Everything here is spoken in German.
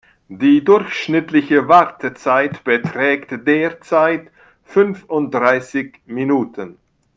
Die durchschnittliche Wartezeit beträgt derzeit fünfunddreißig Minuten.